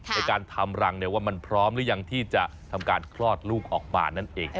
ในการทำรังว่ามันพร้อมหรือยังที่จะทำการคลอดลูกออกมานั่นเอง